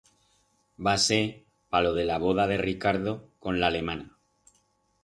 Va ser pa lo de la voda de Ricardo con l'alemana.